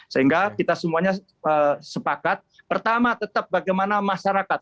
sehingga kita semuanya sepakat pertama tetap bagaimana masyarakat